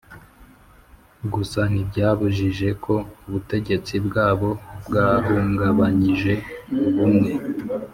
Gusa ntibyabujije ko ubutegetsi bwabo bwahungabanyije ubumwe